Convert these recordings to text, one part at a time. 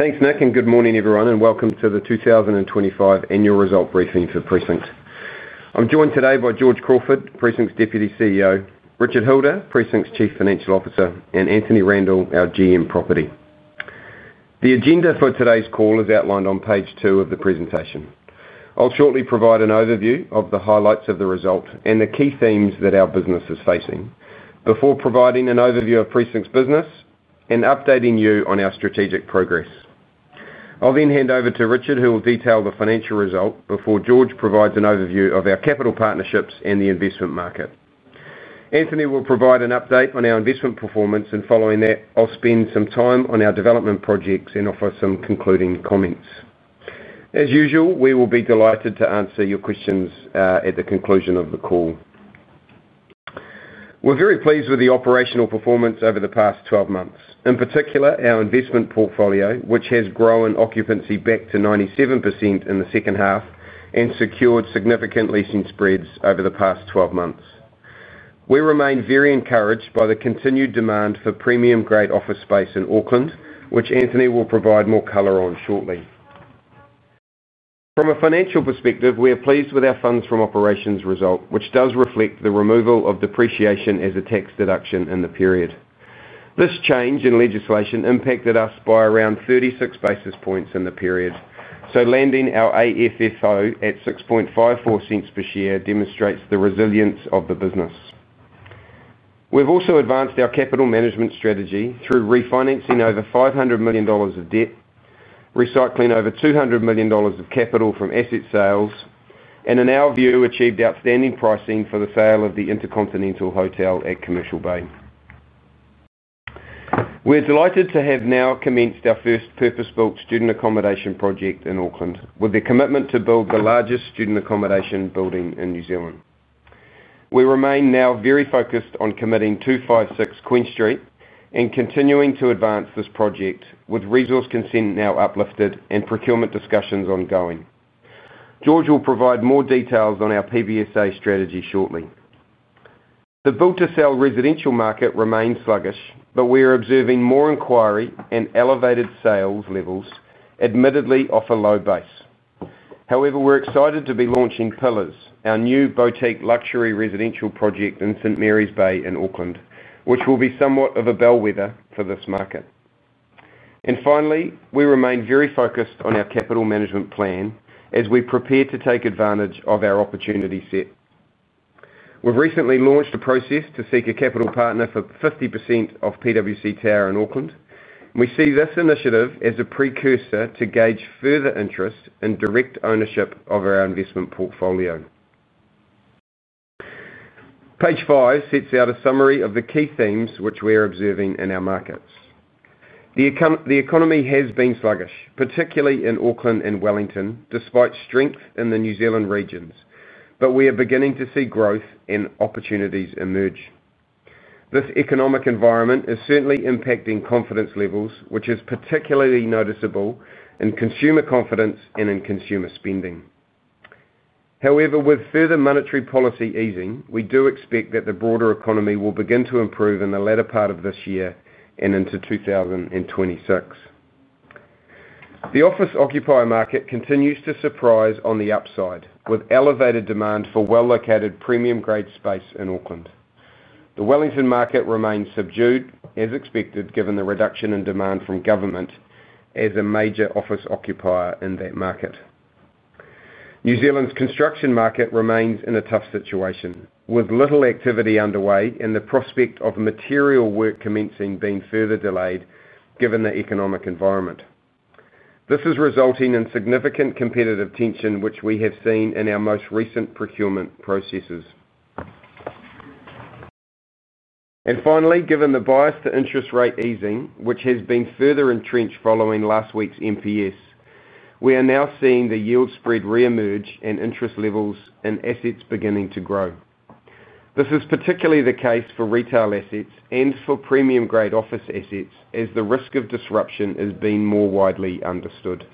Thanks, Nick, and good morning everyone, and welcome to the 2025 Annual Result Briefing for Precinct Properties NZ Ltd. I'm joined today by George Crawford, Precinct's Deputy CEO, Richard Hilder, Precinct's Chief Financial Officer, and Anthony Randell, our GM Property. The agenda for today's call is outlined on page 2 of the presentation. I'll shortly provide an overview of the highlights of the result and the key themes that our business is facing before providing an overview of Precinct's business and updating you on our strategic progress. I'll then hand over to Richard, who will detail the financial result before George provides an overview of our capital partnerships and the investment market. Anthony will provide an update on our investment performance, and following that, I'll spend some time on our development projects and offer some concluding comments. As usual, we will be delighted to answer your questions at the conclusion of the call. We're very pleased with the operational performance over the past 12 months. In particular, our investment portfolio, which has grown occupancy back to 97% in the second half, and secured significant leasing spreads over the past 12 months. We remain very encouraged by the continued demand for premium-grade office space in Auckland, which Anthony will provide more color on shortly. From a financial perspective, we are pleased with our funds from operations result, which does reflect the removal of depreciation as a tax deduction in the period. This change in legislation impacted us by around 36 basis points in the period, so landing our AFFO at $6.54 per share demonstrates the resilience of the business. We've also advanced our capital management strategy through refinancing over $500 million of debt, recycling over $200 million of capital from asset sales, and in our view, achieved outstanding pricing for the sale of the InterContinental Hotel at Commercial Bay. We're delighted to have now commenced our first purpose-built student accommodation project in Auckland, with the commitment to build the largest student accommodation building in New Zealand. We remain now very focused on committing 256 Queen Street and continuing to advance this project, with resource consent now uplifted and procurement discussions ongoing. George will provide more details on our PBSA strategy shortly. The build-to-sell residential market remains sluggish, but we are observing more inquiry and elevated sales levels, admittedly off a low base. However, we're excited to be launching Pillars, our new boutique luxury residential project in St. Mary’s Bay in Auckland, which will be somewhat of a bellwether for this market. Finally, we remain very focused on our capital management plan as we prepare to take advantage of our opportunity set. We've recently launched a process to seek a capital partner for 50% of PWC Tower in Auckland, and we see this initiative as a precursor to gauge further interest and direct ownership of our investment portfolio. Page 5 sets out a summary of the key themes which we are observing in our markets. The economy has been sluggish, particularly in Auckland and Wellington, despite strength in the New Zealand regions, but we are beginning to see growth and opportunities emerge. This economic environment is certainly impacting confidence levels, which is particularly noticeable in consumer confidence and in consumer spending. However, with further monetary policy easing, we do expect that the broader economy will begin to improve in the latter part of this year and into 2026. The office occupier market continues to surprise on the upside, with elevated demand for well-located premium-grade space in Auckland. The Wellington market remains subdued, as expected, given the reduction in demand from government as a major office occupier in that market. New Zealand's construction market remains in a tough situation, with little activity underway and the prospect of material work commencing being further delayed given the economic environment. This is resulting in significant competitive tension, which we have seen in our most recent procurement processes. Finally, given the bias to interest rate easing, which has been further entrenched following last week's MPS, we are now seeing the yield spread re-emerge and interest levels in assets beginning to grow. This is particularly the case for retail assets and for premium-grade office assets, as the risk of disruption is being more widely understood.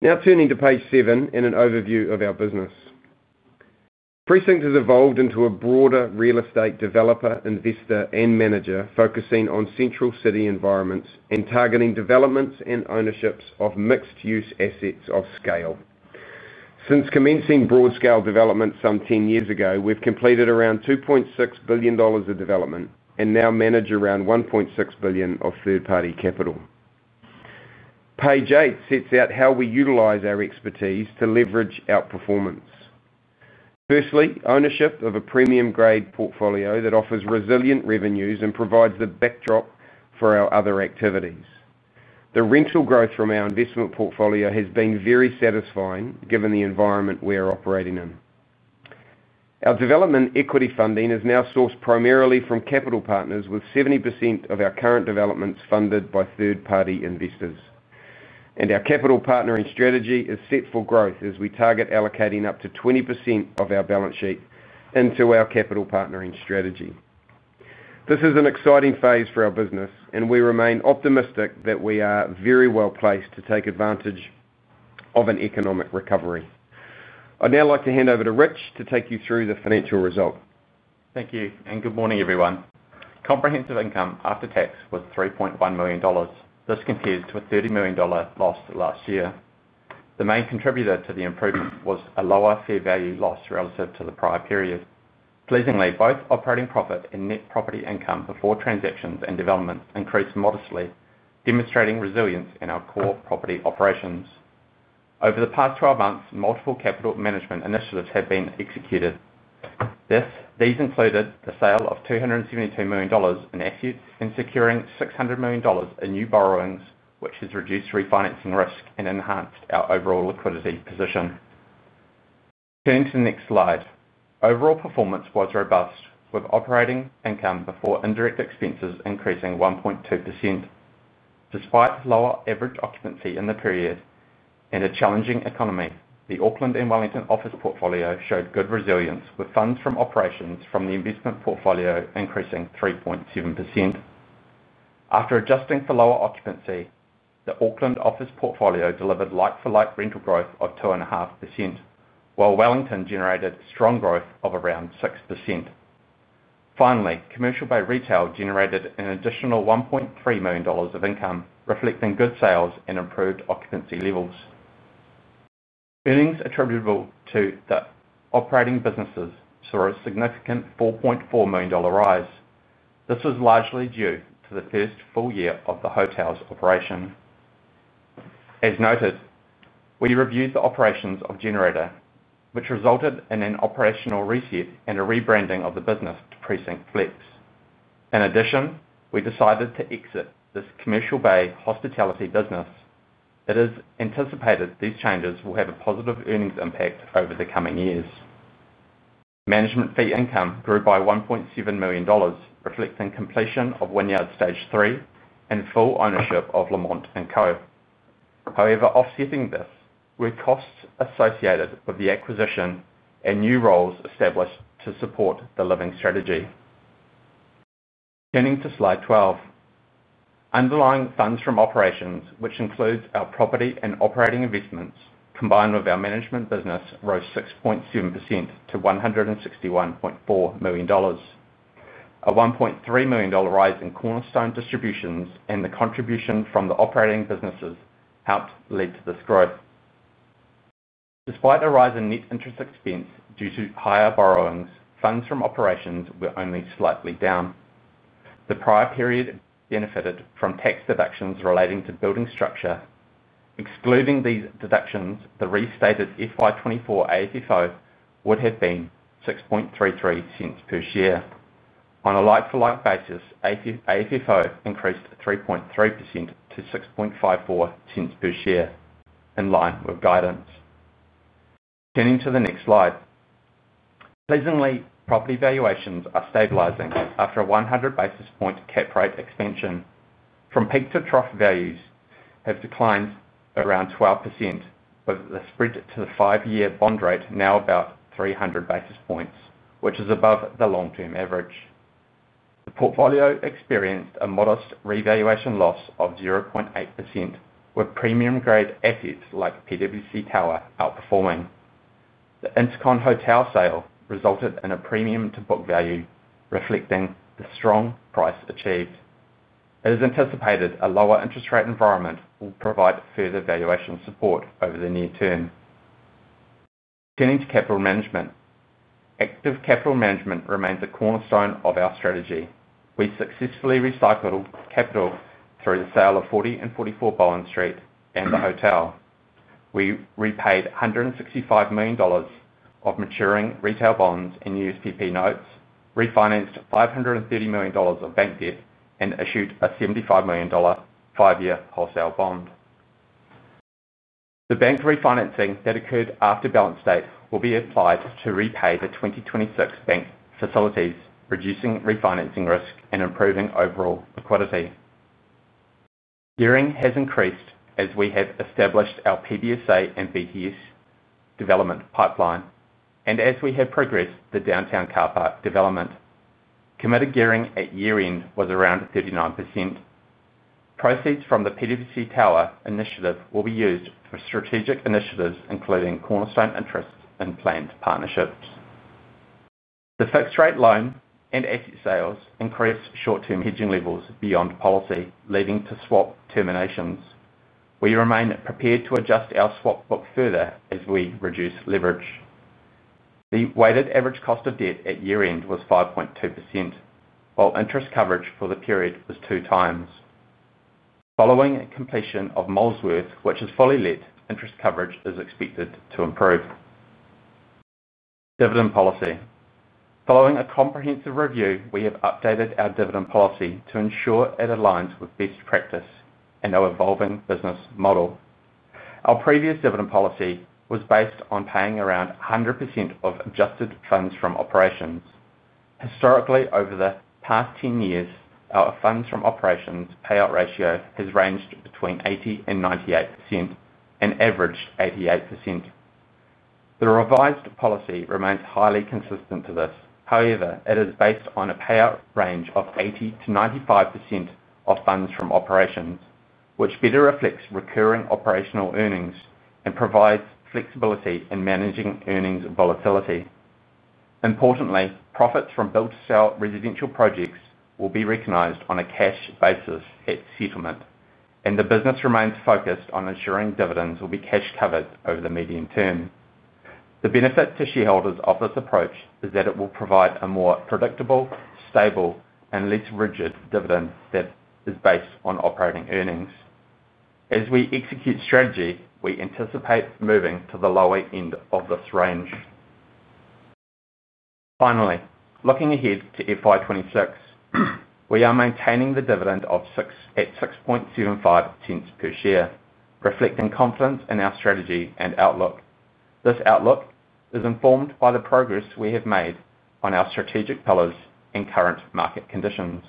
Now turning to page 7 and an overview of our business. Precinct has evolved into a broader real estate developer, investor, and manager, focusing on central city environments and targeting developments and ownerships of mixed-use assets of scale. Since commencing broad-scale development some 10 years ago, we've completed around $2.6 billion of development and now manage around $1.6 billion of third-party capital. Page 8 sets out how we utilize our expertise to leverage our performance. Firstly, ownership of a premium-grade portfolio that offers resilient revenues and provides the backdrop for our other activities. The rental growth from our investment portfolio has been very satisfying given the environment we are operating in. Our development equity funding is now sourced primarily from capital partners, with 70% of our current developments funded by third-party investors. Our capital partnering strategy is set for growth, as we target allocating up to 20% of our balance sheet into our capital partnering strategy. This is an exciting phase for our business, and we remain optimistic that we are very well placed to take advantage of an economic recovery. I'd now like to hand over to Rich to take you through the financial result. Thank you, and good morning everyone. Comprehensive income after tax was $3.1 million. This compares to a $30 million loss last year. The main contributor to the improvement was a lower fair value loss relative to the prior period. Pleasingly, both operating profit and net property income before transactions and developments increased modestly, demonstrating resilience in our core property operations. Over the past 12 months, multiple capital management initiatives have been executed. These included the sale of $272 million in assets and securing $600 million in new borrowings, which has reduced refinancing risk and enhanced our overall liquidity position. Turning to the next slide, overall performance was robust, with operating income before indirect expenses increasing 1.2%. Despite lower average occupancy in the period and a challenging economy, the Auckland and Wellington office portfolio showed good resilience, with FFO from the investment portfolio increasing 3.7%. After adjusting for lower occupancy, the Auckland office portfolio delivered like-for-like rental growth of 2.5%, while Wellington generated strong growth of around 6%. Finally, Commercial Bay Retail generated an additional $1.3 million of income, reflecting good sales and improved occupancy levels. Earnings attributable to the operating businesses saw a significant $4.4 million rise. This was largely due to the first full year of the hotel's operation. As noted, we reviewed the operations of Generator, which resulted in an operational reset and a rebranding of the business to Precinct Flex. In addition, we decided to exit this Commercial Bay hospitality business. It is anticipated these changes will have a positive earnings impact over the coming years. Management fee income grew by $1.7 million, reflecting completion of Wynyard Stage 3 and full ownership of Lamont & Co. However, offsetting this, were costs associated with the acquisition and new roles established to support the living strategy. Turning to slide 12, underlying FFO, which includes our property and operating investments, combined with our management business, rose 6.7% to $161.4 million. A $1.3 million rise in cornerstone distributions and the contribution from the operating businesses helped lead to this growth. Despite a rise in net interest expense due to higher borrowings, FFO were only slightly down. The prior period benefited from tax deductions relating to building structure. Excluding these deductions, the restated FY 2024 AFFO would have been $6.33 per share. On a like-for-like basis, AFFO increased 3.3% to $6.54 per share, in line with guidance. Turning to the next slide, pleasingly, property valuations are stabilizing after a 100 basis point cap rate expansion. From peak to trough, values have declined around 12%, with the spread to the five-year bond rate now about 300 basis points, which is above the long-term average. The portfolio experienced a modest revaluation loss of 0.8%, with premium-grade assets like PWC Tower outperforming. The InterContinental Hotel sale resulted in a premium to book value, reflecting the strong price achieved. It is anticipated a lower interest rate environment will provide further valuation support over the near term. Turning to capital management, active capital management remains a cornerstone of our strategy. We successfully recycled capital through the sale of 40 and 44 Barling Street and the hotel. We repaid $165 million of maturing retail bonds and USPP notes, refinanced $530 million of bank debt, and issued a $75 million five-year wholesale bond. The bank refinancing that occurred after balance date will be applied to repay the 2026 bank facilities, reducing refinancing risk and improving overall liquidity. Gearing has increased as we have established our PBSA and BTS development pipeline, and as we have progressed the downtown car park development. Committed gearing at year-end was around 39%. Proceeds from the PWC Tower initiative will be used for strategic initiatives, including cornerstone interests and planned partnerships. The fixed-rate loan and asset sales increased short-term hedging levels beyond policy, leading to SWAP terminations. We remain prepared to adjust our SWAP book further as we reduce leverage. The weighted average cost of debt at year-end was 5.2%, while interest coverage for the period was two times. Following completion of Molesworth, which is fully let, interest coverage is expected to improve. Dividend policy. Following a comprehensive review, we have updated our dividend policy to ensure it aligns with best practice and our evolving business model. Our previous dividend policy was based on paying around 100% of adjusted funds from operations. Historically, over the past 10 years, our funds from operations payout ratio has ranged between 80% and 98%, and averaged 88%. The revised policy remains highly consistent to this, however, it is based on a payout range of 80%-95% of funds from operations, which better reflects recurring operational earnings and provides flexibility in managing earnings volatility. Importantly, profits from build-to-sell residential projects will be recognized on a cash basis at settlement, and the business remains focused on ensuring dividends will be cash-covered over the medium term. The benefit to shareholders of this approach is that it will provide a more predictable, stable, and less rigid dividend that is based on operating earnings. As we execute strategy, we anticipate moving to the lower end of this range. Finally, looking ahead to FY 2026, we are maintaining the dividend of $6.75 per share, reflecting confidence in our strategy and outlook. This outlook is informed by the progress we have made on our strategic pillars and current market conditions.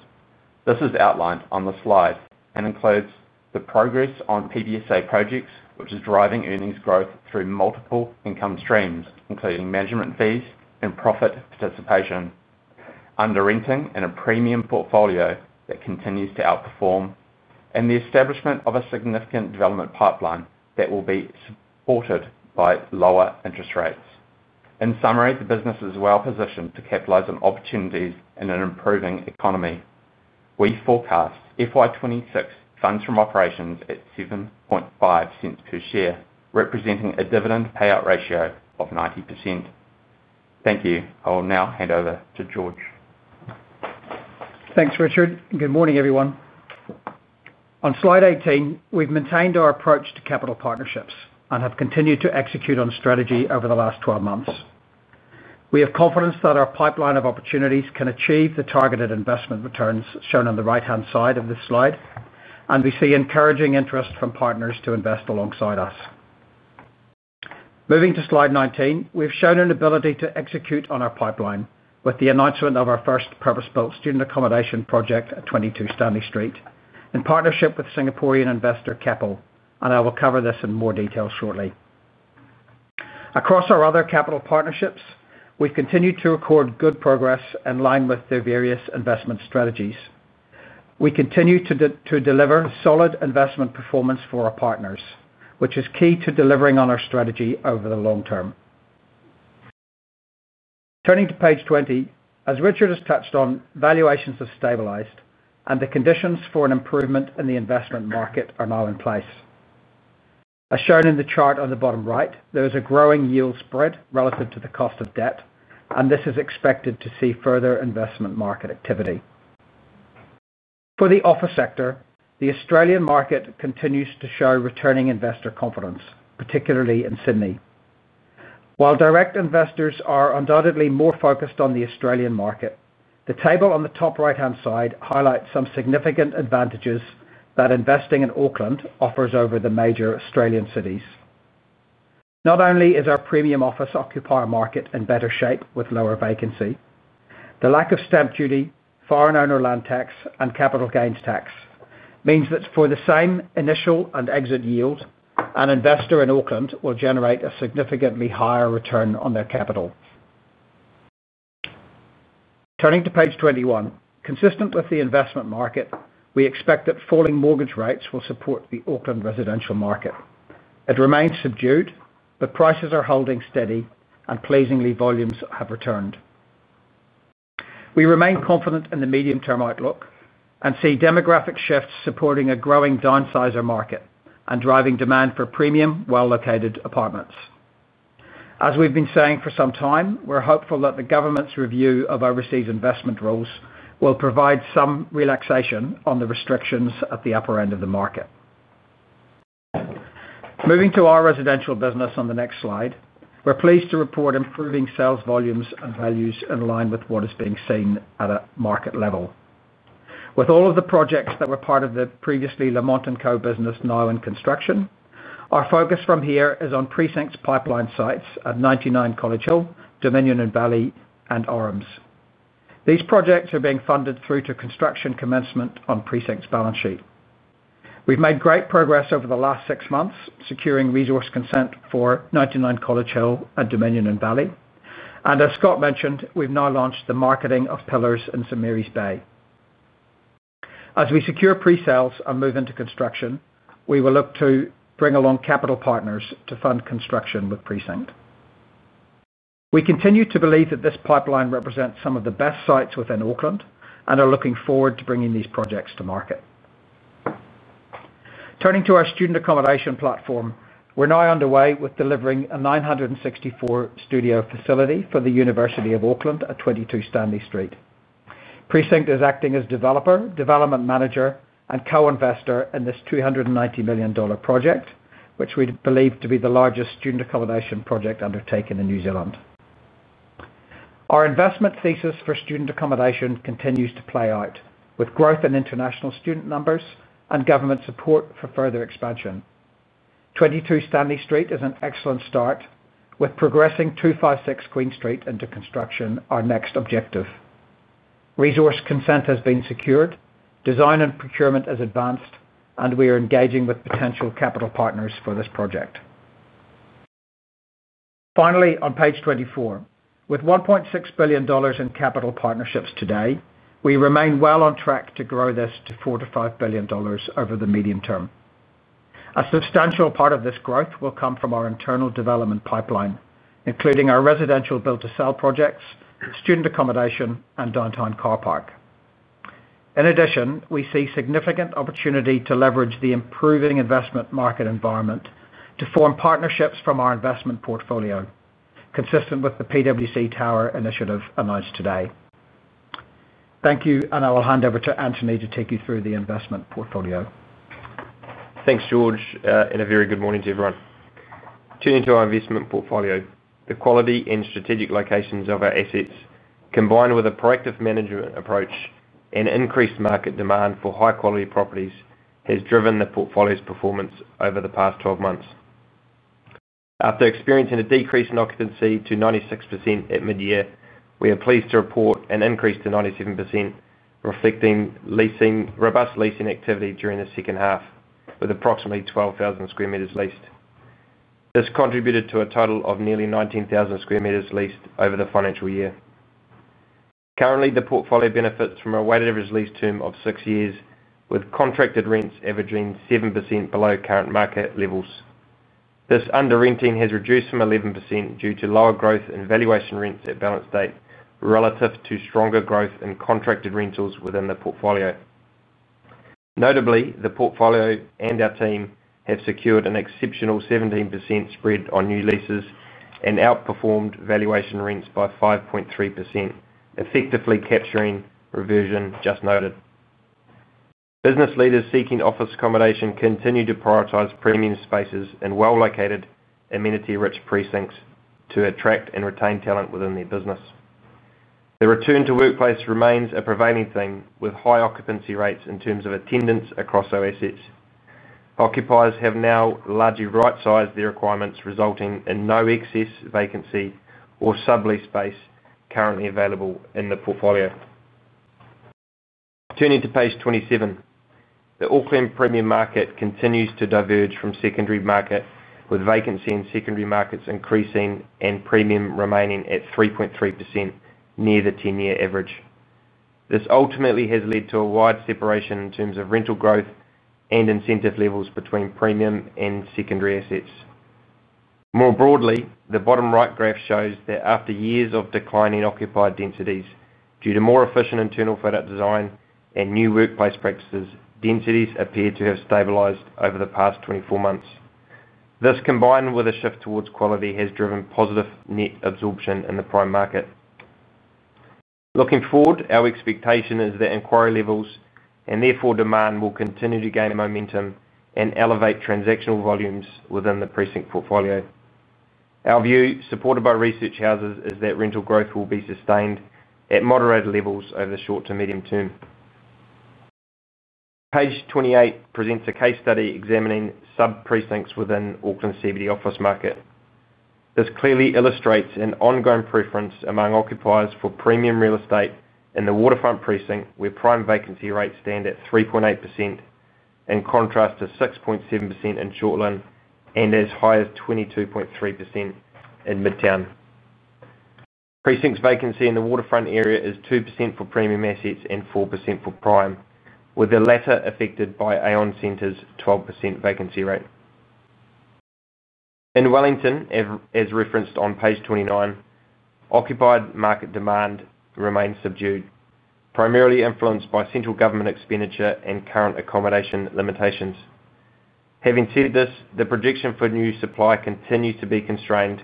This is outlined on the slides and includes the progress on PBSA projects, which is driving earnings growth through multiple income streams, including management fees and profit participation, underrenting in a premium portfolio that continues to outperform, and the establishment of a significant development pipeline that will be supported by lower interest rates. In summary, the business is well positioned to capitalize on opportunities in an improving economy. We forecast FY 2026 funds from operations at $7.5 per share, representing a dividend payout ratio of 90%. Thank you. I will now hand over to George. Thanks, Richard, and good morning everyone. On slide 18, we've maintained our approach to capital partnerships and have continued to execute on strategy over the last 12 months. We have confidence that our pipeline of opportunities can achieve the targeted investment returns shown on the right-hand side of this slide, and we see encouraging interest from partners to invest alongside us. Moving to slide 19, we've shown an ability to execute on our pipeline with the announcement of our first purpose-built student accommodation project at 22 Stanley Street in partnership with Singapore-based real estate company CapitaLand, and I will cover this in more detail shortly. Across our other capital partnerships, we've continued to record good progress in line with their various investment strategies. We continue to deliver solid investment performance for our partners, which is key to delivering on our strategy over the long term. Turning to page 20, as Richard has touched on, valuations have stabilized, and the conditions for an improvement in the investment market are now in place. As shown in the chart on the bottom right, there is a growing yield spread relative to the cost of debt, and this is expected to see further investment market activity. For the office sector, the Australian market continues to show returning investor confidence, particularly in Sydney. While direct investors are undoubtedly more focused on the Australian market, the table on the top right-hand side highlights some significant advantages that investing in Auckland offers over the major Australian cities. Not only is our premium office occupier market in better shape with lower vacancy, the lack of stamp duty, foreign owner land tax, and capital gains tax means that for the same initial and exit yield, an investor in Auckland will generate a significantly higher return on their capital. Turning to page 21, consistent with the investment market, we expect that falling mortgage rates will support the Auckland residential market. It remains subdued, but prices are holding steady, and pleasingly, volumes have returned. We remain confident in the medium-term outlook and see demographic shifts supporting a growing downsizer market and driving demand for premium, well-located apartments. As we've been saying for some time, we're hopeful that the government's review of overseas investment rules will provide some relaxation on the restrictions at the upper end of the market. Moving to our residential business on the next slide, we're pleased to report improving sales volumes and values in line with what is being seen at a market level. With all of the projects that were part of the previously Lamont & Co. business now in construction, our focus from here is on Precinct's pipeline sites at 99 College Hill, Dominion and Valley, and Orams. These projects are being funded through to construction commencement on Precinct's balance sheet. We've made great progress over the last six months, securing resource consent for 99 College Hill and Dominion and Valley, and as Scott mentioned, we've now launched the marketing of Pillars in St. Mary’s Bay. As we secure pre-sales and move into construction, we will look to bring along capital partners to fund construction with Precinct. We continue to believe that this pipeline represents some of the best sites within Auckland and are looking forward to bringing these projects to market. Turning to our student accommodation platform, we're now underway with delivering a 964-studio facility for the University of Auckland at 22 Stanley Street. Precinct is acting as developer, development manager, and co-investor in this $290 million project, which we believe to be the largest student accommodation project undertaken in New Zealand. Our investment thesis for student accommodation continues to play out, with growth in international student numbers and government support for further expansion. 22 Stanley Street is an excellent start, with progressing 256 Queen Street into construction our next objective. Resource consent has been secured, design and procurement has advanced, and we are engaging with potential capital partners for this project. Finally, on page 24, with $1.6 billion in capital partnerships today, we remain well on track to grow this to $4 billion- $5 billion over the medium term. A substantial part of this growth will come from our internal development pipeline, including our residential build-to-sell projects, student accommodation, and downtown car park. In addition, we see significant opportunity to leverage the improving investment market environment to form partnerships from our investment portfolio, consistent with the PWC Tower initiative announced today. Thank you, and I will hand over to Anthony to take you through the investment portfolio. Thanks, George, and a very good morning to everyone. Turning to our investment portfolio, the quality and strategic locations of our assets, combined with a proactive management approach and increased market demand for high-quality properties, has driven the portfolio's performance over the past 12 months. After experiencing a decrease in occupancy to 96% at mid-year, we are pleased to report an increase to 97%, reflecting robust leasing activity during the second half, with approximately 12,000 square meters leased. This contributed to a total of nearly 19,000 square meters leased over the financial year. Currently, the portfolio benefits from a weighted average lease term of six years, with contracted rents averaging 7% below current market levels. This underrenting has reduced from 11% due to lower growth in valuation rents at balance date, relative to stronger growth in contracted rentals within the portfolio. Notably, the portfolio and our team have secured an exceptional 17% spread on new leases and outperformed valuation rents by 5.3%, effectively capturing reversion just noted. Business leaders seeking office accommodation continue to prioritize premium spaces and well-located, amenity-rich precincts to attract and retain talent within their business. The return to workplace remains a prevailing theme, with high occupancy rates in terms of attendance across our assets. Occupiers have now largely right-sized their requirements, resulting in no excess vacancy or sublease space currently available in the portfolio. Turning to page 27, the Auckland premium market continues to diverge from secondary market, with vacancy in secondary markets increasing and premium remaining at 3.3%, near the 10-year average. This ultimately has led to a wide separation in terms of rental growth and incentive levels between premium and secondary assets. More broadly, the bottom right graph shows that after years of declining occupied densities, due to more efficient internal product design and new workplace practices, densities appear to have stabilized over the past 24 months. This, combined with a shift towards quality, has driven positive net absorption in the prime market. Looking forward, our expectation is that inquiry levels and therefore demand will continue to gain momentum and elevate transactional volumes within the precinct portfolio. Our view, supported by research houses, is that rental growth will be sustained at moderated levels over the short to medium term. Page 28 presents a case study examining sub-precinct within Auckland CBD office market. This clearly illustrates an ongoing preference among occupiers for premium real estate in the Waterfront Precinct, where prime vacancy rates stand at 3.8% in contrast to 6.7% in Shortland and as high as 22.3% in Midtown. Precinct's vacancy in the Waterfront area is 2% for premium assets and 4% for prime, with the latter affected by Aeon Centre's 12% vacancy rate. In Wellington, as referenced on page 29, occupied market demand remains subdued, primarily influenced by central government expenditure and current accommodation limitations. Having said this, the projection for new supply continues to be constrained,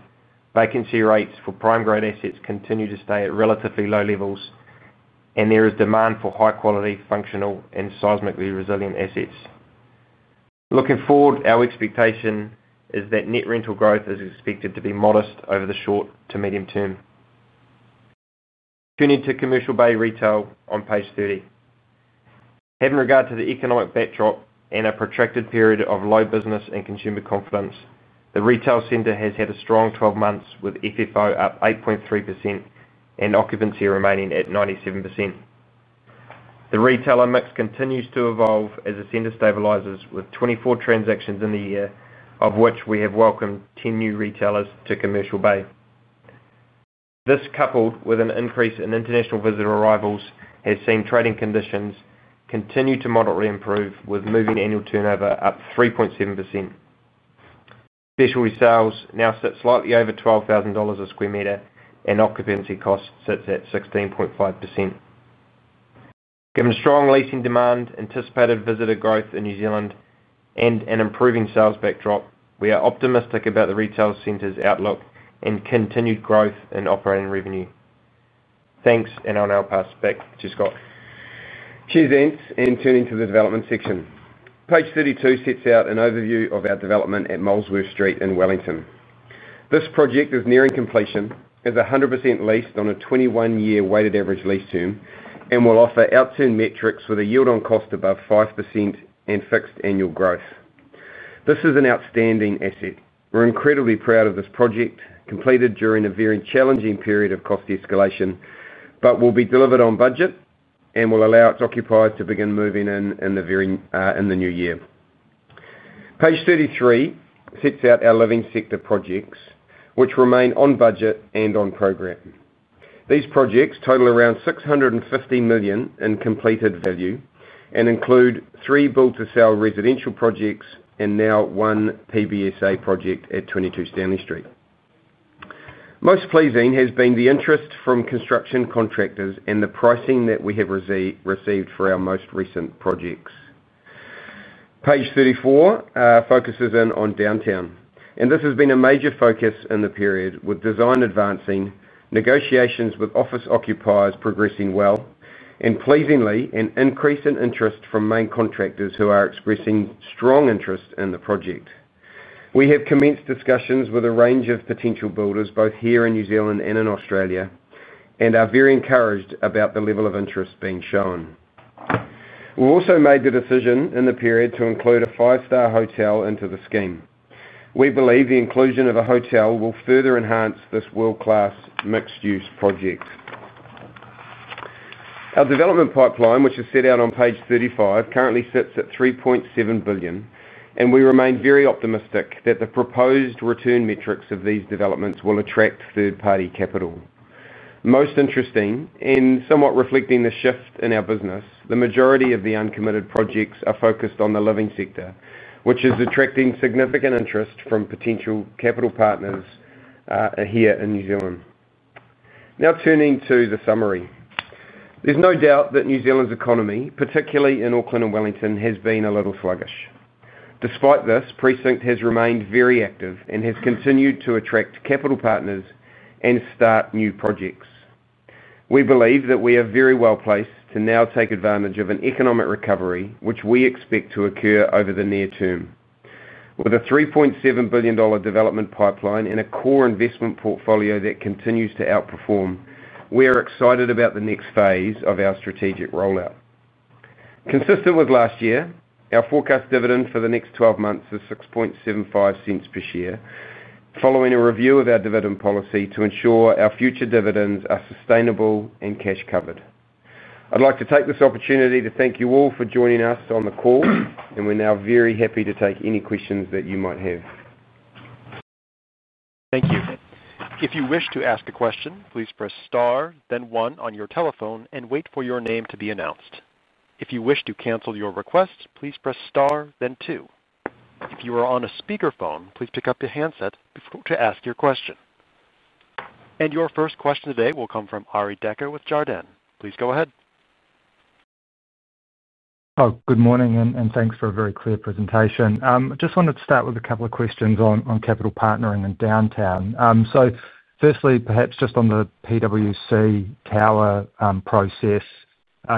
vacancy rates for prime-grade assets continue to stay at relatively low levels, and there is demand for high-quality, functional, and seismically resilient assets. Looking forward, our expectation is that net rental growth is expected to be modest over the short to medium term. Turning to Commercial Bay Retail on page 30. Having regard to the economic backdrop and a protracted period of low business and consumer confidence, the retail centre has had a strong 12 months, with FFO up 8.3% and occupancy remaining at 97%. The retailer mix continues to evolve as the centre stabilizes, with 24 transactions in the year, of which we have welcomed 10 new retailers to Commercial Bay. This, coupled with an increase in international visitor arrivals, has seen trading conditions continue to moderately improve, with moving annual turnover up 3.7%. Specialty sales now sit slightly over $12,000 a square meter, and occupancy cost sits at 16.5%. Given strong leasing demand, anticipated visitor growth in New Zealand, and an improving sales backdrop, we are optimistic about the retail centre's outlook and continued growth in operating revenue. Thanks, and I'll now pass back to Scott. Cheers and thanks, and turning to the development section. Page 32 sets out an overview of our development at Molesworth Street in Wellington. This project is nearing completion, is 100% leased on a 21-year weighted average lease term, and will offer outstanding metrics with a yield on cost above 5% and fixed annual growth. This is an outstanding asset. We're incredibly proud of this project, completed during a very challenging period of cost escalation, but will be delivered on budget and will allow its occupiers to begin moving in in the new year. Page 33 sets out our living sector projects, which remain on budget and on program. These projects total around $650 million in completed value and include three build-to-sell residential projects and now one PBSA project at 22 Stanley Street. Most pleasing has been the interest from construction contractors and the pricing that we have received for our most recent projects. Page 34 focuses in on downtown, and this has been a major focus in the period, with design advancing, negotiations with office occupiers progressing well, and, pleasingly, an increase in interest from main contractors who are expressing strong interest in the project. We have commenced discussions with a range of potential builders, both here in New Zealand and in Australia, and are very encouraged about the level of interest being shown. We've also made the decision in the period to include a five-star hotel into the scheme. We believe the inclusion of a hotel will further enhance this world-class mixed-use project. Our development pipeline, which is set out on page 35, currently sits at $3.7 billion, and we remain very optimistic that the proposed return metrics of these developments will attract third-party capital. Most interesting, and somewhat reflecting the shift in our business, the majority of the uncommitted projects are focused on the living sector, which is attracting significant interest from potential capital partners here in New Zealand. Now turning to the summary, there's no doubt that New Zealand's economy, particularly in Auckland and Wellington, has been a little sluggish. Despite this, Precinct Properties NZ Ltd has remained very active and has continued to attract capital partners and start new projects. We believe that we are very well placed to now take advantage of an economic recovery, which we expect to occur over the near term. With a $3.7 billion development pipeline and a core investment portfolio that continues to outperform, we are excited about the next phase of our strategic rollout. Consistent with last year, our forecast dividend for the next 12 months is $6.75 per share, following a review of our dividend policy to ensure our future dividends are sustainable and cash-covered. I'd like to take this opportunity to thank you all for joining us on the call. We're now very happy to take any questions that you might have. Thank you. If you wish to ask a question, please press star, then one on your telephone, and wait for your name to be announced. If you wish to cancel your request, please press star, then two. If you are on a speaker phone, please pick up your handset before you ask your question. Your first question today will come from Arie Dekker with Jarden. Please go ahead. Good morning, and thanks for a very clear presentation. I just wanted to start with a couple of questions on capital partnering in downtown. Firstly, perhaps just on the PWC Tower process,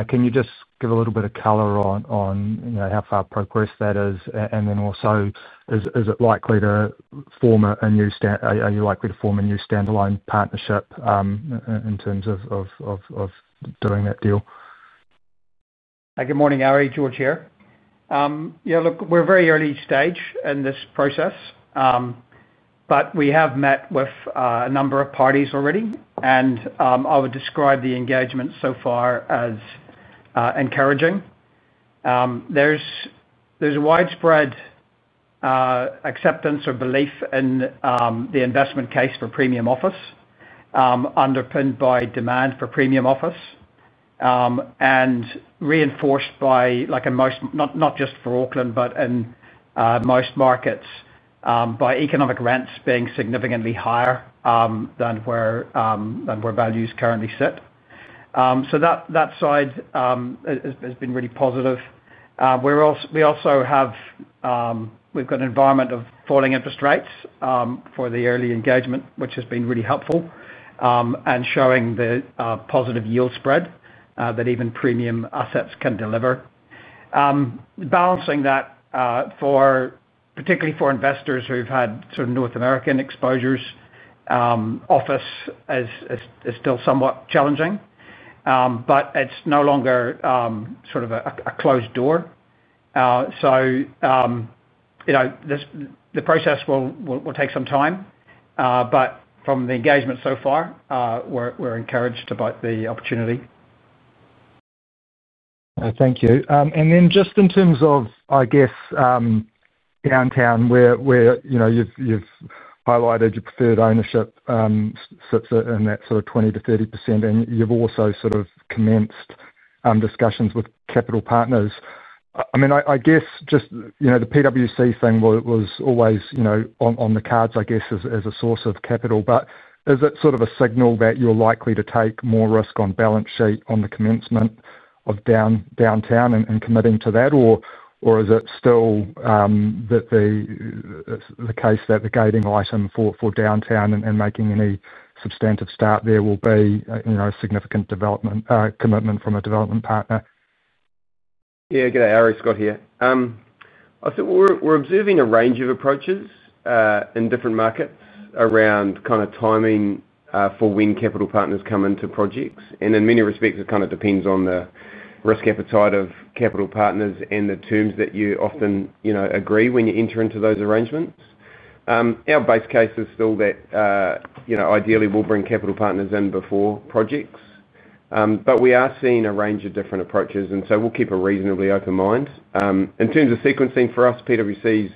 can you give a little bit of color on how far progress that is, and also, is it likely to form a new stand, are you likely to form a new standalone partnership in terms of doing that deal? Good morning, Arie. George here. We're at a very early stage in this process, but we have met with a number of parties already, and I would describe the engagement so far as encouraging. There's a widespread acceptance or belief in the investment case for premium office, underpinned by demand for premium office and reinforced, like in most, not just for Auckland, but in most markets, by economic rents being significantly higher than where values currently sit. That side has been really positive. We also have an environment of falling interest rates for the early engagement, which has been really helpful and showing the positive yield spread that even premium assets can deliver. Balancing that, particularly for investors who've had sort of North American exposures, office is still somewhat challenging, but it's no longer a closed door. The process will take some time, but from the engagement so far, we're encouraged about the opportunity. Thank you. Just in terms of, I guess, downtown, where you've highlighted your preferred ownership sits at in that sort of 20% to 30%, and you've also commenced discussions with capital partners. I mean, the PWC thing was always on the cards, I guess, as a source of capital, but is it a signal that you're likely to take more risk on balance sheet on the commencement of downtown and committing to that, or is it still the case that the guiding item for downtown and making any substantive start there will be significant development commitment from a development partner? Good day. Arie. Scott here. I think we're observing a range of approaches in different markets around timing for when capital partners come into projects, and in many respects, it depends on the risk appetite of capital partners and the terms that you often agree when you enter into those arrangements. Our base case is still that ideally we'll bring capital partners in before projects, but we are seeing a range of different approaches, and we'll keep a reasonably open mind. In terms of sequencing, for us, PWC Tower is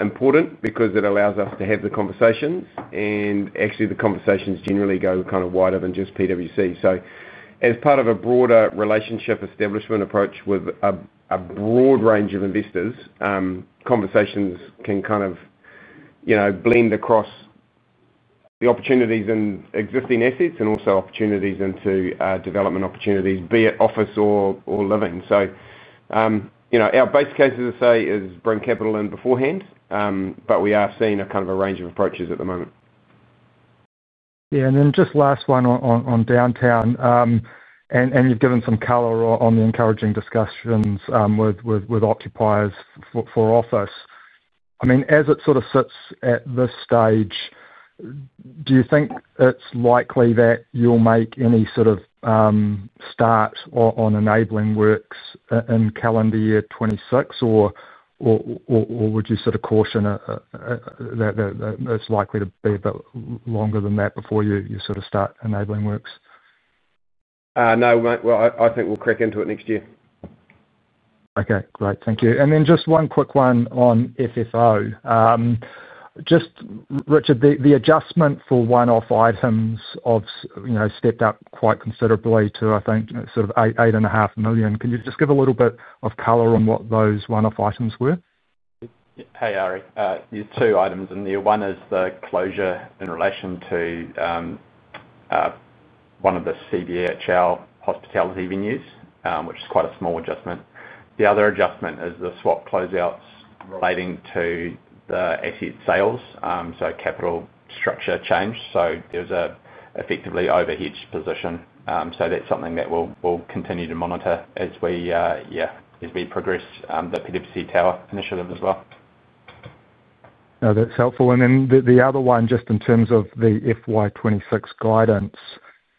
important because it allows us to have the conversations, and actually the conversations generally go wider than just PWC Tower. As part of a broader relationship establishment approach with a broad range of investors, conversations can blend across the opportunities in existing assets and also opportunities into development opportunities, be it office buildings or living. Our base case, as I say, is bring capital in beforehand, but we are seeing a range of approaches at the moment. Yeah, just last one on downtown, you've given some color on the encouraging discussions with occupiers for office. As it sort of sits at this stage, do you think it's likely that you'll make any sort of start on enabling works in calendar year 2026, or would you caution that it's likely to be a bit longer than that before you start enabling works? No, I think we'll crack into it next year. Okay, great, thank you. Just one quick one on FFO. Richard, the adjustment for one-off items stepped up quite considerably to, I think, sort of $8.5 million. Can you just give a little bit of color on what those one-off items were? Hey, Ari. There's two items in there. One is the closure in relation to one of the CBHL hospitality venues, which is quite a small adjustment. The other adjustment is the swap closeouts relating to the asset sales, so capital structure change. There's an effectively overheated position. That's something that we'll continue to monitor as we progress the PWC Tower initiative as well. Oh, that's helpful. The other one, just in terms of the FY 2026 guidance,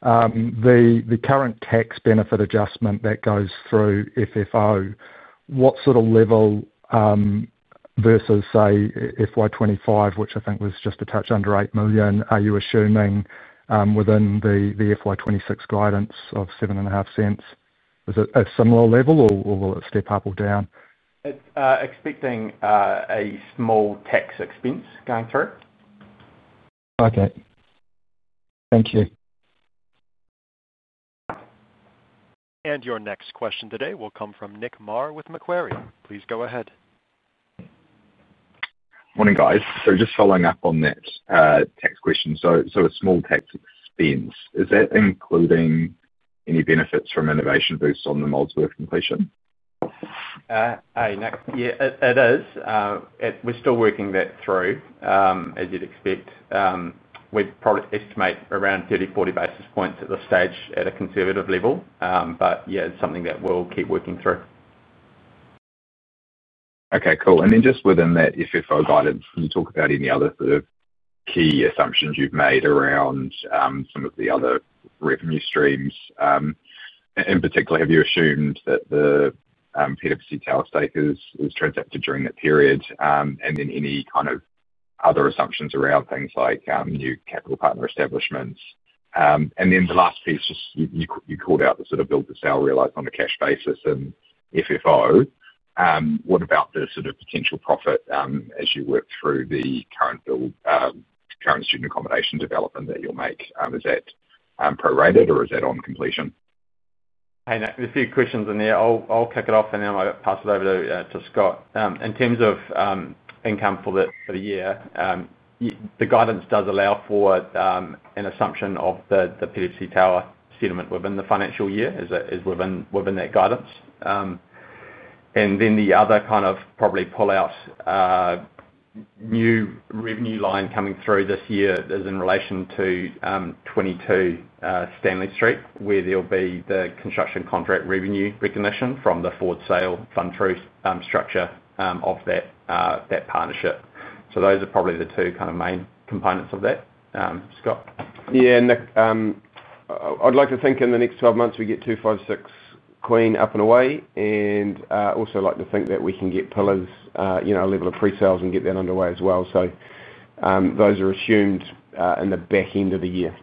the current tax benefit adjustment that goes through FFO, what sort of level versus, say, FY 2025, which I think was just under $8 million, are you assuming within the FY 2026 guidance of $7.5? Is it a similar level or will it step up or down? Expecting a small tax expense going through. Okay, thank you. Your next question today will come from Nick Mar with Macquarie. Please go ahead. Morning guys. Just following up on that tax question. It's a small tax expense. Is that including any benefits from innovation boosts on the Molesworth completion? Hey Nick, yeah, it is. We're still working that through, as you'd expect. We'd probably estimate around 30 or 40 basis points at this stage at a conservative level, but yeah, it's something that we'll keep working through. Okay, cool. Within that FFO guidance, can you talk about any other sort of key assumptions you've made around some of the other revenue streams? In particular, have you assumed that the PWC Tower stake is transacted during that period? Any kind of other assumptions around things like new capital partner establishments? The last piece, you called out the sort of build-to-sell realized on a cash basis and FFO. What about the sort of potential profit as you work through the current build, current student accommodation development that you'll make? Is that prorated or is that on completion? Hey Nick, there's a few questions in there. I'll kick it off for now and I'll pass it over to Scott. In terms of income for the year, the guidance does allow for an assumption of the PWC Tower settlement within the financial year as within that guidance. The other kind of probably pull-out new revenue line coming through this year is in relation to 22 Stanley Street, where there'll be the construction contract revenue recognition from the forward sale fund through structure of that partnership. Those are probably the two kind of main components of that. Scott? Yeah, Nick, I'd like to think in the next 12 months we get 256 Queen up and away, and also like to think that we can get Pillars, you know, a level of pre-sales and get that underway as well. Those are assumed in the back end of the year.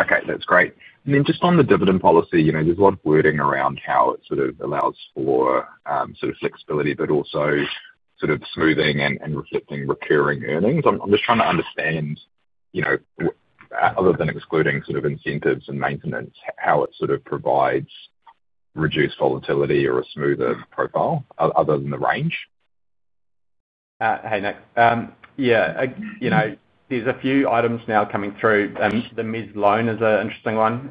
Okay, that's great. Just on the dividend policy, there's a lot of wording around how it sort of allows for flexibility, but also smoothing and reflecting recurring earnings. I'm just trying to understand, other than excluding incentives and maintenance, how it provides reduced volatility or a smoother profile other than the range. Hey Nick, yeah, you know, there's a few items now coming through. The mid-loan is an interesting one,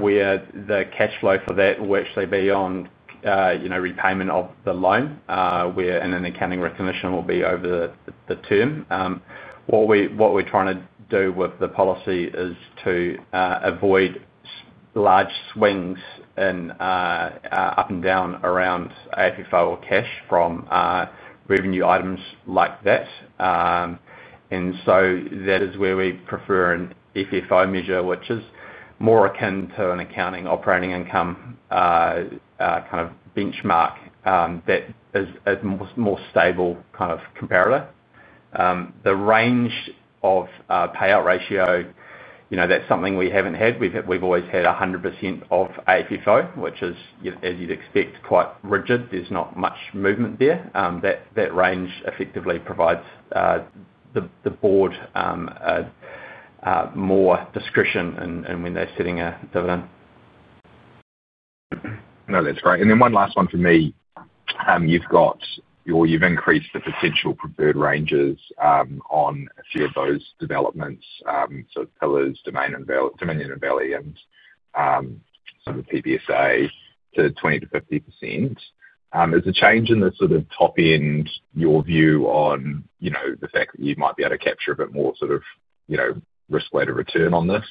where the cash flow for that will actually be on, you know, repayment of the loan, where an accounting recognition will be over the term. What we're trying to do with the policy is to avoid large swings in up and down around AFFO or cash from revenue items like that. That is where we prefer an AFFO measure, which is more akin to an accounting operating income kind of benchmark. That is a more stable kind of comparator. The range of payout ratio, you know, that's something we haven't had. We've always had 100% of AFFO, which is, as you'd expect, quite rigid. There's not much movement there. That range effectively provides the board more discretion in when they're setting a dividend. No, that's great. One last one for me. You've got, or you've increased the potential preferred ranges on a few of those developments, so Pillars, [Dominion] and [Belly], and sort of the PBSA to 20%-50%. Is the change in the sort of top end your view on, you know, the fact that you might be able to capture a bit more sort of, you know, risk later return on this?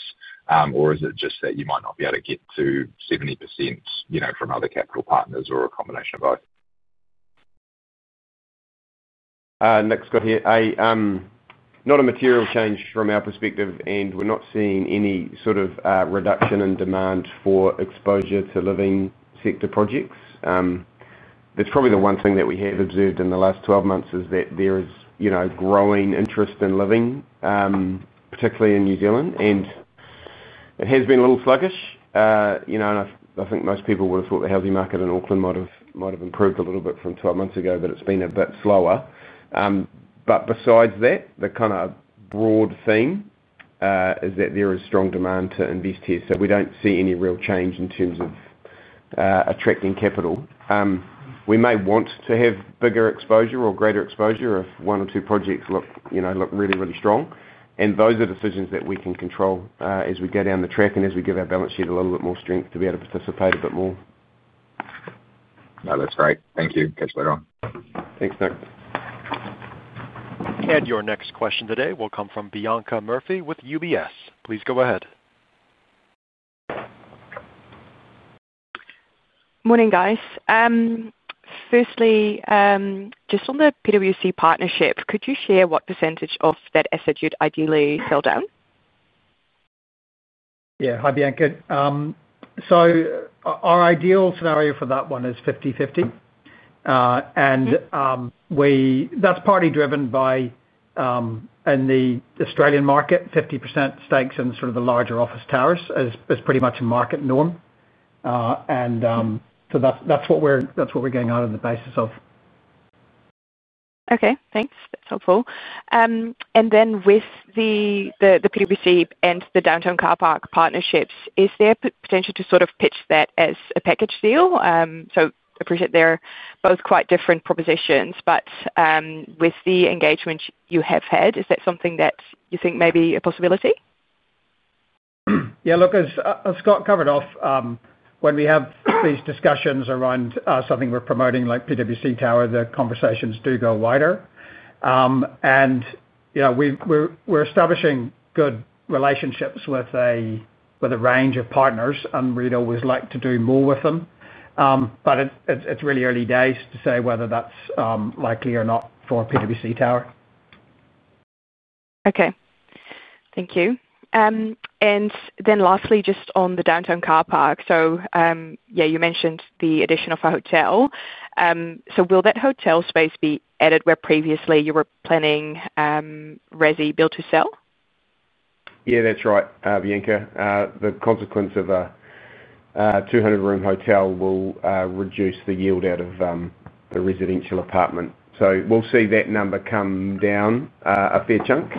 Or is it just that you might not be able to get to 50% from other capital partners or a combination of both? Not a material change from our perspective, and we're not seeing any sort of reduction in demand for exposure to living sector projects. That's probably the one thing that we have observed in the last 12 months is that there is, you know, growing interest in living, particularly in New Zealand, and it has been a little sluggish. I think most people would have thought the housing market in Auckland might have improved a little bit from 12 months ago, but it's been a bit slower. Besides that, the kind of broad theme is that there is strong demand to invest here. We don't see any real change in terms of attracting capital. We may want to have bigger exposure or greater exposure if one or two projects look, you know, look really, really strong. Those are decisions that we can control as we go down the track and as we give our balance sheet a little bit more strength to be able to participate a bit more. No, that's great. Thank you. Get to it on. Thanks, Nick. Your next question today will come from Bianca Murphy with UBS. Please go ahead. Morning, guys. Firstly, just on the PWC partnership, could you share what % of that asset you'd ideally sell down? Yeah, hi, Bianca. Our ideal scenario for that one is 50-50. That's partly driven by in the Australian market, 50% stakes in sort of the larger office towers is pretty much a market norm. That's what we're getting out of the basis of. Okay, thanks. That's helpful. With the PWC Tower and the downtown car park partnerships, is there potential to sort of pitch that as a package deal? I appreciate they're both quite different propositions, but with the engagement you have had, is that something that you think may be a possibility? Yeah, look, as Scott covered off, when we have these discussions around something we're promoting like PWC Tower, the conversations do go wider. We're establishing good relationships with a range of partners, and we'd always like to do more with them. It's really early days to say whether that's likely or not for PWC Tower. Okay, thank you. Lastly, just on the downtown car park, you mentioned the addition of a hotel. Will that hotel space be added where previously you were planning resi build-to-sell? Yeah, that's right, Bianca. The consequence of a 200-room hotel will reduce the yield out of the residential apartment, so we'll see that number come down a fair chunk.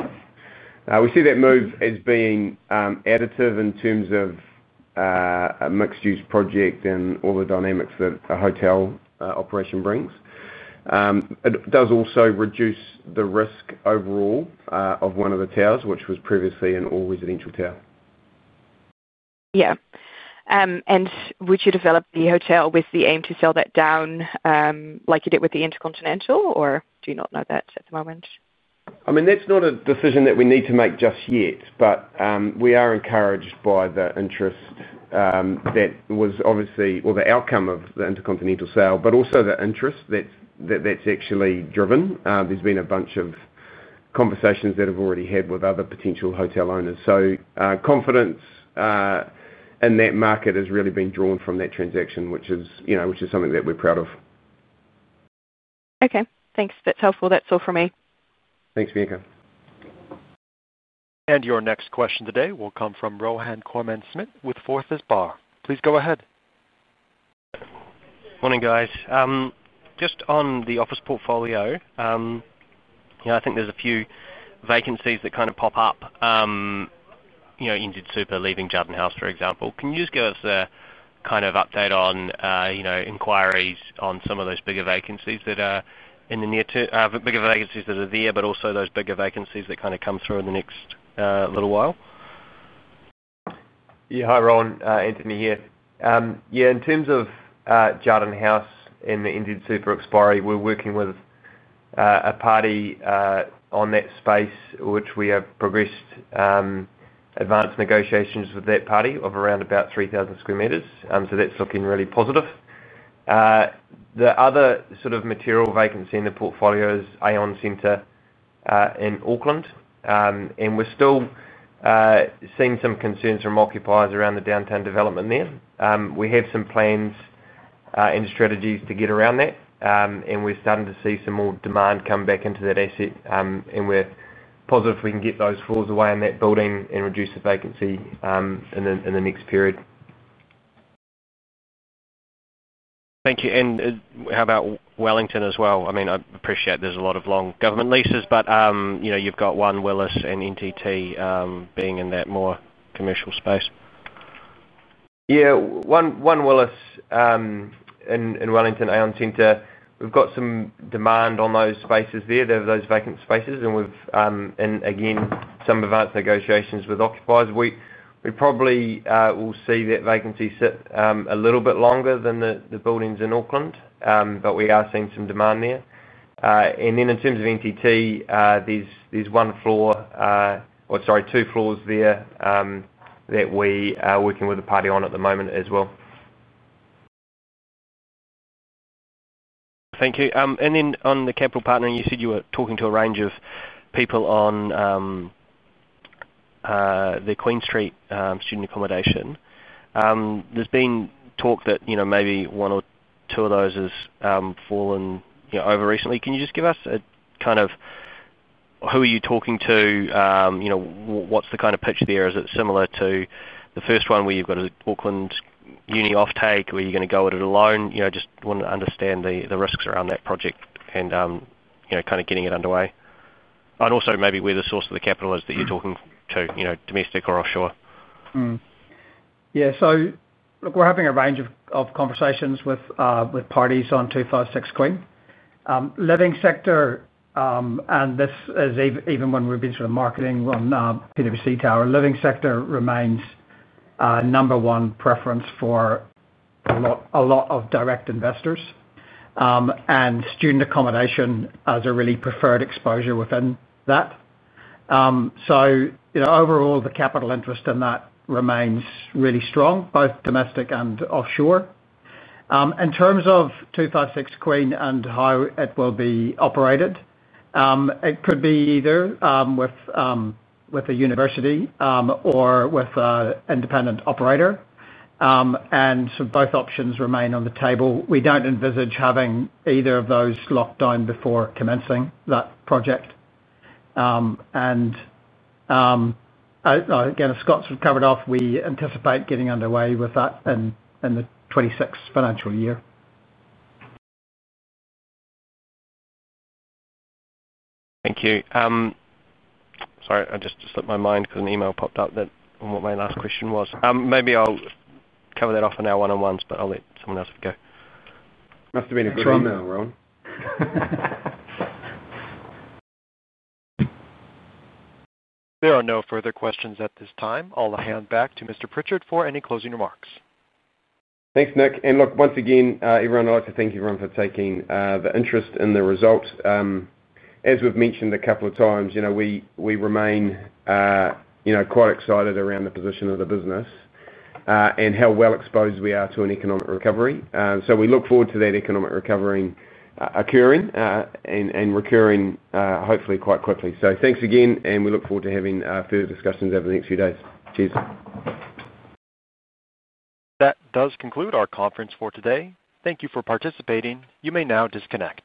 We see that move as being additive in terms of a mixed-use project and all the dynamics that a hotel operation brings. It does also reduce the risk overall of one of the towers, which was previously an all-residential tower. Would you develop the hotel with the aim to sell that down like you did with the InterContinental, or do you not know that at the moment? That's not a decision that we need to make just yet, but we are encouraged by the interest that was obviously, or the outcome of the InterContinental sale, but also the interest that's actually driven. There's been a bunch of conversations that have already had with other potential hotel owners. Confidence in that market has really been drawn from that transaction, which is something that we're proud of. Okay, thanks. That's helpful. That's all for me. Thanks, Bianca. Your next question today will come from Rohan Koreman-Smit with Forsyth Barr. Please go ahead. Morning, guys. Just on the office portfolio, I think there's a few vacancies that kind of pop up. You did Super leaving Jarden House, for example. Can you just give us a kind of update on inquiries on some of those bigger vacancies that are in the near term, bigger vacancies that are there, but also those bigger vacancies that kind of come through in the next little while? Yeah, hi, Rohan. Anthony here. In terms of Jarden House and the Indeed Super Expiri, we're working with a party on that space, which we have progressed advanced negotiations with that party of around about 3,000 square meters. That's looking really positive. The other sort of material vacancy in the portfolio is Aeon Centre in Auckland, and we're still seeing some concerns from occupiers around the downtown development there. We have some plans and strategies to get around that, and we're starting to see some more demand come back into that asset. We're positive we can get those floors away in that building and reduce the vacancy in the next period. Thank you. How about Wellington as well? I appreciate there's a lot of long government leases, but you've got One Willis and NTT being in that more commercial space. Yeah, One Willis in Wellington, Aeon Centre, we've got some demand on those spaces there, those vacant spaces, and again, some advanced negotiations with occupiers. We probably will see that vacancy sit a little bit longer than the buildings in Auckland, but we are seeing some demand there. In terms of NTT, there's one floor, or sorry, two floors there that we are working with a party on at the moment as well. Thank you. On the capital partner, you said you were talking to a range of people on the Queen Street student accommodation. There's been talk that maybe one or two of those has fallen over recently. Can you just give us a kind of who are you talking to? What's the kind of picture there? Is it similar to the first one where you've got an Auckland uni off-take, where you're going to go at it alone? I just want to understand the risks around that project and kind of getting it underway. Also, maybe where the source of the capital is that you're talking to, domestic or offshore. Yeah, so look, we're having a range of conversations with parties on 256 Queen. Living sector, and this is even when we've been sort of marketing on PWC Tower, living sector remains a number one preference for a lot of direct investors. Student accommodation is a really preferred exposure within that. Overall, the capital interest in that remains really strong, both domestic and offshore. In terms of 256 Queen and how it will be operated, it could be either with a university or with an independent operator. Both options remain on the table. We don't envisage having either of those locked down before commencing that project. As Scott sort of covered off, we anticipate getting underway with that in the 2026 financial year. Thank you. Sorry, it just slipped my mind because an email popped up that what my last question was. Maybe I'll cover that off in our one-on-ones, but I'll let someone else have a go. Must have been a drumroll, Rohan! There are no further questions at this time. I'll hand back to Mr. Pritchard for any closing remarks. Thanks, Nick. Once again, everyone, I'd like to thank everyone for taking the interest in the results. As we've mentioned a couple of times, we remain quite excited around the position of the business and how well exposed we are to an economic recovery. We look forward to that economic recovery occurring and recurring hopefully quite quickly. Thanks again, and we look forward to having further discussions over the next few days. Cheers. That does conclude our conference for today. Thank you for participating. You may now disconnect.